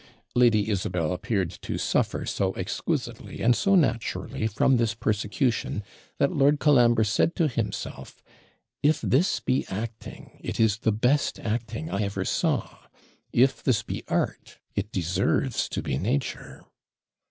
Lady Isabel appeared to suffer so exquisitely and so naturally from this persecution, that Lord Colambre said to himself 'If this be acting, it is the best acting I ever saw. If this be art, it deserves to be nature.'